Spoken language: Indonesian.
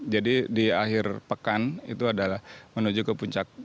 jadi di akhir pekan itu adalah menuju ke puncak